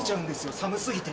寒過ぎて。